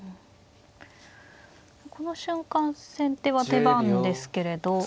この瞬間先手は手番ですけれど。